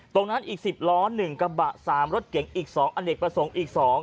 ตรงนั้นอีก๑๐ล้อ๑กระบะ๓รถเก๋งอีก๒อันเด็กประสงค์อีก๒